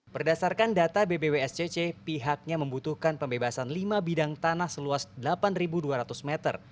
berdasarkan data bbwscc pihaknya membutuhkan pembebasan lima bidang tanah seluas delapan dua ratus meter